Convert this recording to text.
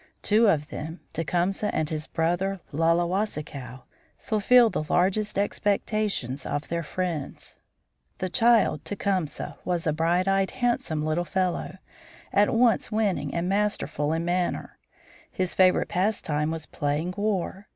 Two of them, Tecumseh and his brother, Laulewasikaw, fulfilled the largest expectations of their friends. The child, Tecumseh, was a bright eyed, handsome little fellow, at once winning and masterful in manner. His favorite pastime was playing war.